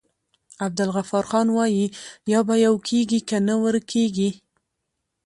عبدالغفارخان وايي: یا به يو کيږي که نه ورکيږی.